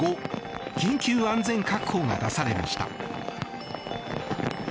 ５緊急安全確保が出されました。